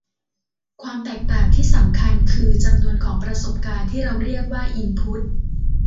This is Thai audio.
ความแตกต่างที่สำคัญ คือ จำนวนของประสบการณ์ ที่เราเรียกว่าอินพุท